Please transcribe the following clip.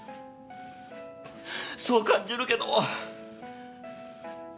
そう感じるけど。